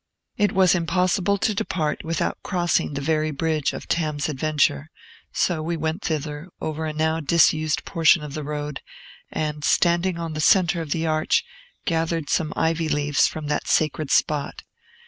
It was impossible to depart without crossing the very bridge of Tam's adventure; so we went thither, over a now disused portion of the road, and, standing on the centre of the arch, gathered some ivy leaves from that sacred spot.